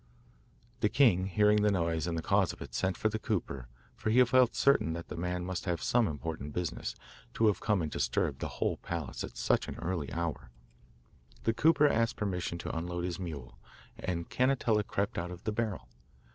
The king hearing the noise and the cause of it, sent for the cooper, for he felt certain the man must have some important business, to have come and disturbed the whole palace at such an early hour. The cooper asked permission to unload his mule, and Cannetella crept out of the barrel.